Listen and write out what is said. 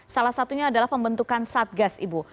salah satunya adalah pembentukan satgas ibu